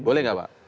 boleh gak pak